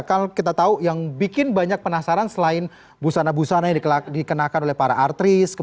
kalau kita tahu yang bikin banyak penasaran selain busana busana yang dikenakan oleh para artis